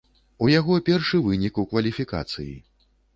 У яго першы вынік у кваліфікацыі.